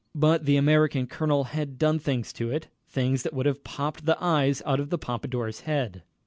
But the American colonel had done things to it things that would have popped the eyes out of the Pompadour's head.